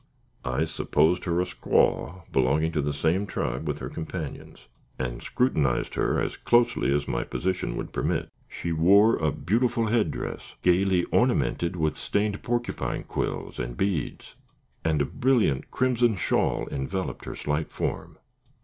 I supposed her a squaw, belonging to the same tribe with her companions, and scrutinized her as closely as my position would permit. She wore a beautiful head dress, gayly ornamented with stained porcupine quills and beads, and a brilliant crimson shawl enveloped her slight form.